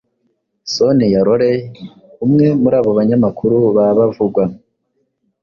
Sonia Rolley, umwe muri abo banyamakuru ba bavugwa,